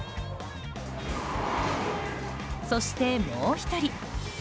そして、もう１人。